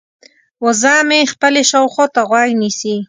وزه مې خپلې شاوخوا ته غوږ نیسي.